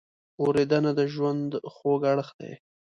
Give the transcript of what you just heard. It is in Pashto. اورېدنه د ژوند خوږ اړخ دی.